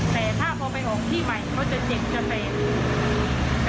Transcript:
แต่ถ้าพอไปออกที่ใหม่เขาจะเจ็บจะแตก